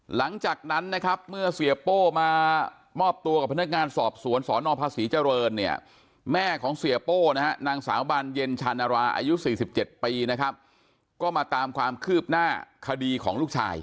หลังจากนั้นนะครับเมื่อเสียโป้มามอบตัวกับพนักงานสอบสวนสนภาษีเจริญเนี่ยแม่ของเสียโป้นะฮะนางสาวบานเย็นชานาราอายุ๔๗ปีนะครับก็มาตามความคืบหน้าคดีของลูกชาย